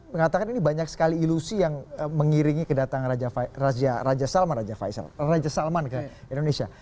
mengatakan ini banyak sekali ilusi yang mengiringi kedatangan raja salman ke indonesia